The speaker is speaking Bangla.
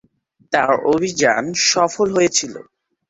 তার অভিযান সফল হয়েছিল।